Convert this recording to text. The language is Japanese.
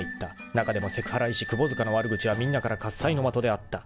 ［中でも「セクハラ医師の窪塚」の悪口はみんなから喝采の的であった］